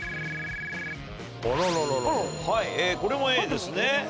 はいこれもＡですね。